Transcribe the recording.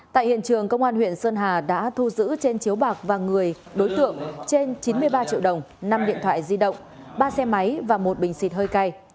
tại hiện trường công an huyện sơn hà đã thu giữ trên chiếu bạc và người đối tượng trên chín mươi ba triệu đồng năm điện thoại di động ba xe máy và một bình xịt hơi cay